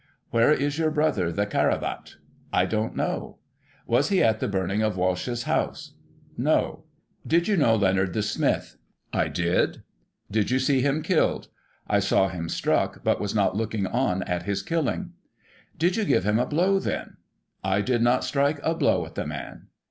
Where is your brother, the Caravat? — I don't know. Was he at the burning of Walsh's house ?— No. Did you know Leonard, the smith ?— I did. Did you see him killed ?— I saw him struck, but was not looking on at his killing. Did you give him a blow then ?— I did not strike a blow at the man.